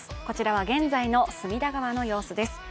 こちらは現在の隅田川の様子です。